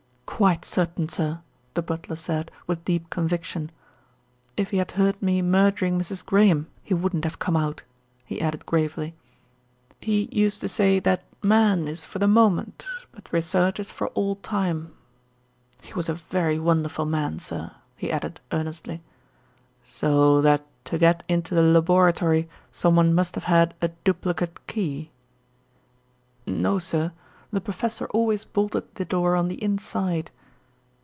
"Quite certain, sir," the butler said with deep conviction. "If he had heard me murdering Mrs. Graham he wouldn't have come out," he added gravely. "He used to say that man is for the moment; but research is for all time. He was a very wonderful man, sir," he added earnestly. "So that to get into the laboratory someone must have had a duplicate key?" "No, sir, the professor always bolted the door on the inside."